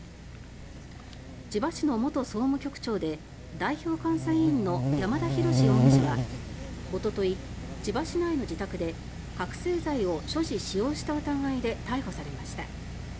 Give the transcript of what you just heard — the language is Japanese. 千葉市の元総務局長で代表監査委員の山田啓志容疑者はおととい千葉市内の自宅で覚せい剤を所持、使用した疑いで逮捕されました。